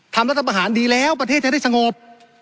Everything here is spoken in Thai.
รัฐประหารดีแล้วประเทศจะได้สงบ